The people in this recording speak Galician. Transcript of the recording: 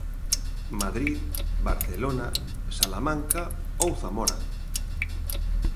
Madrid, Barcelona, Salamanca ou Zamora.